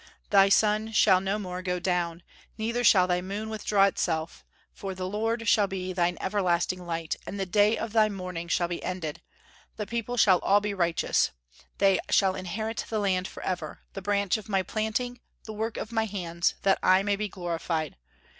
Thy sun shall no more go down, neither shall thy moon withdraw itself, for the Lord shall be thine everlasting light, and the day of thy mourning shall be ended.... Thy people shall be all righteous; they shall inherit the land forever, the branch of my planting, the work of my hands, that I may be glorified.